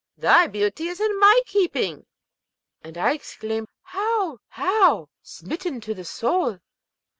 Thy beauty is in my keeping.' And I exclaimed, 'How? how?' smitten to the soul.